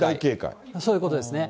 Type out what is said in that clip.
そういうことですね。